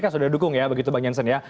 kan sudah dukung ya begitu bang jansen ya